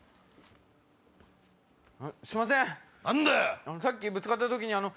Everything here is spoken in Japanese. すいません。